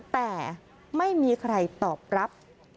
แต่ไม่มีใครตอบรับ